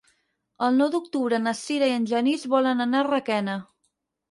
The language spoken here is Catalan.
El nou d'octubre na Sira i en Genís volen anar a Requena.